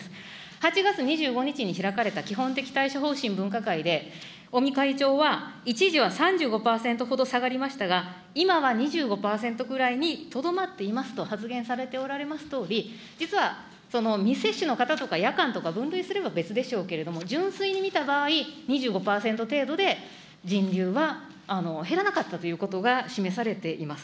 ８月２５日に開かれた基本的対処方針分科会で、尾身会長は一時は３５％ほど下がりましたが、今は２５％ぐらいにとどまっていますと発言されておられますとおり、実は未接種の方とか夜間とか分類すれば別でしょうけれども、純粋に見た場合、２５％程度で、人流は減らなかったということが示されています。